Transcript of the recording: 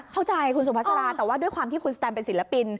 เข้าใจคุณสุภาษาแต่ว่าด้วยความที่คุณสแตมเป็นศิลปิน